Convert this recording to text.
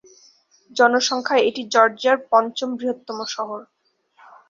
জনসংখ্যায় এটি জর্জিয়ার পঞ্চম বৃহত্তম শহর।